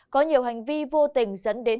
có nhiều hành vi vô tình dẫn đến